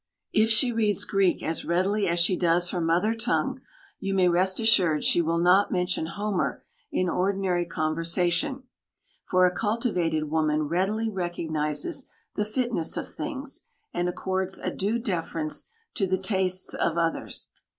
If she reads Greek as readily as she does her mother tongue, you may rest assured she will not mention Homer in ordinary conversation, for a cultivated woman readily recognises the fitness of things, and accords a due deference to the tastes of others.